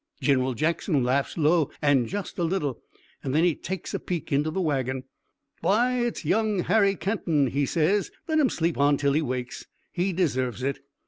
Gin'ral Jackson laughs low an' just a little, and then he takes a peek into the wagon. 'Why, it's young Harry Kenton!' he says. 'Let him sleep on till he wakes. He deserves it!'